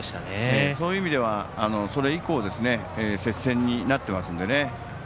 そういう意味ではそれ以降、接戦になってますんで。